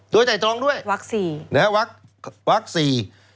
โดยไต่ตรองด้วยวักสี่นะฮะวักวักสี่